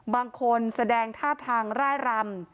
บางคนแสดงท่าทางร่ายรำ